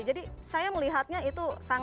jadi saya melihatnya itu